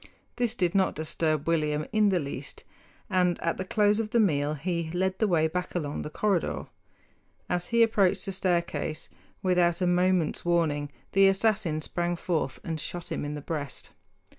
This did not disturb William in the least, and at the close of the meal he led the way back along the corridor. As he approached the staircase, without a moment's warning the assassin sprang forth and shot him in the breast.